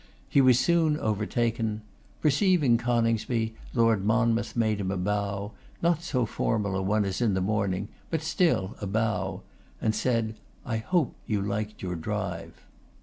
He was soon overtaken. Perceiving Coningsby, Lord Monmouth made him a bow, not so formal a one as in the morning, but still a bow, and said, 'I hope you liked your drive.